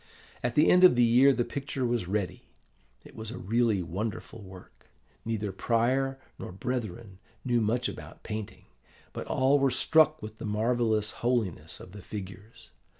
At the end of the year the picture was ready. It was a really wonderful work. Neither prior nor brethren knew much about painting; but all were struck with the marvellous holiness of the figures.